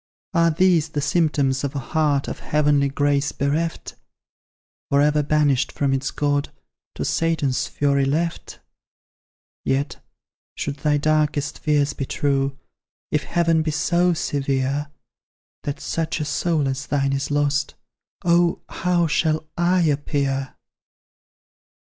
Are THESE the symptoms of a heart Of heavenly grace bereft For ever banished from its God, To Satan's fury left? Yet, should thy darkest fears be true, If Heaven be so severe, That such a soul as thine is lost, Oh! how shall I appear?